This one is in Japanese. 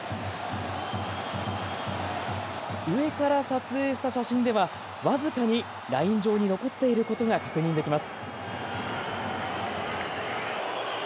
上から撮影した写真では僅かにライン上に残っていることが確認できます。